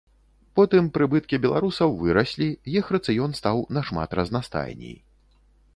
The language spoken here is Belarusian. Потым прыбыткі беларусаў выраслі, іх рацыён стаў нашмат разнастайней.